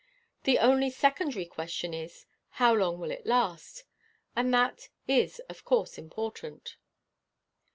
The only secondary question is, How long will it last? And that is of course important.'